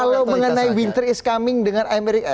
kalau mengenai winter is coming dengan amerika